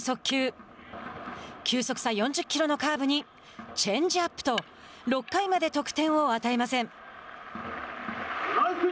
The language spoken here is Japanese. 球速差４０キロのカーブにチェンジアップと６回まで得点を与えません。